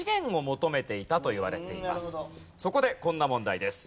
そこでこんな問題です。